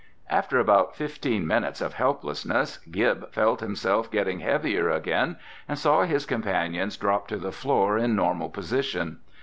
After about fifteen minutes of helplessness, Gib felt himself getting heavier again and saw his companions drop to the floor in normal position.